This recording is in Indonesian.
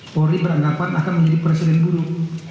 polri beranggapan akan menjadi presiden buruk